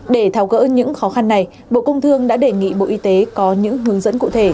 để tháo gỡ những khó khăn này bộ công thương đã đề nghị bộ y tế có những hướng dẫn cụ thể